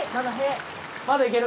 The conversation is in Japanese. まだいける。